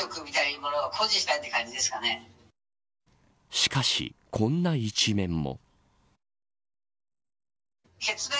しかし、こんな一面も。